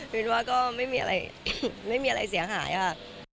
เป็นว่าก็ไม่มีอะไรเสี่ยงหายอะ